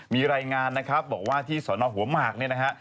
มีรายงานนะครับบอกว่าที่สนหัวหมาก